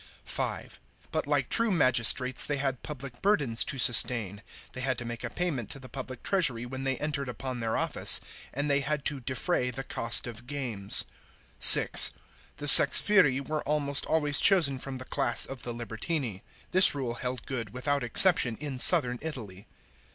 (5) But like true magistrates they had public burdens to sustain ; they had to make a payment to the public treasury when they entered upon their office, and they had to defray the cost of games. (6) The sexviri were almost always chosen from the class of the libertini. This rule held good without exception in southern Italy.